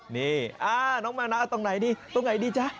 นี่น้องแม่น้ำตรงไหนดิตรงไหนดิจ๊ะ